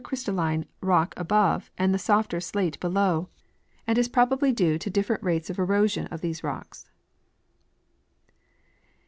crystalline rock above and the softer slate l)eloAV, and is prol) al^ly due to the different rates of erosion of these rocks.